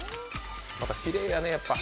またきれいやね、やっぱり。